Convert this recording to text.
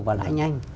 và lãi nhanh